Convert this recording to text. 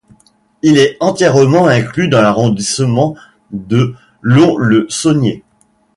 Il est entièrement inclus dans l'arrondissement de Lons-le-Saunier.